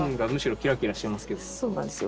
そうなんですよ。